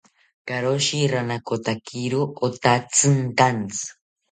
Karoshi ranakotakiro otatzinkantzi